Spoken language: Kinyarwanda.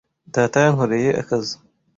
Data yankoreye akazu.